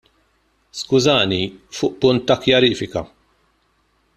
Skużani, fuq punt ta' kjarifika.